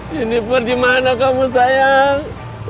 jennipure di mana kamu sayang